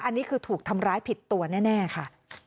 อันนี้คือถูกทำร้ายผิดตัวแน่ค่ะ